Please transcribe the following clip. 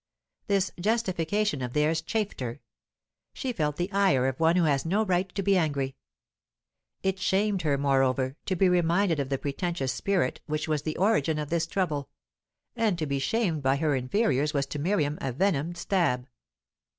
This justification of theirs chafed her; she felt the ire of one who has no right to be angry. It shamed her, moreover, to be reminded of the pretentious spirit which was the origin of this trouble; and to be shamed by her inferiors was to Miriam a venomed stab.